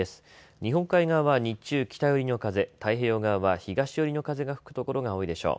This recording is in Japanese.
日本海側は日中、北寄りの風、太平洋側は東寄りの風が吹くところが多いでしょう。